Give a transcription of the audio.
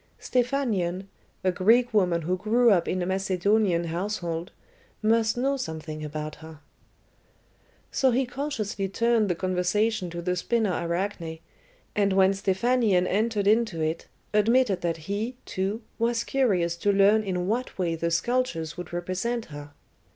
Stephanion, a Greek woman who grew up in a Macedonian household, must know something about her. So he cautiously turned the conversation to the spinner Arachne, and when Stephanion entered into it, admitted that he, too, was curious to learn in what way the sculptors would represent her.